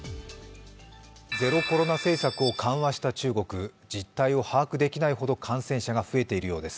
ゼロコロナ政策を緩和した中国、実態を把握できないほど感染者が増えているようです。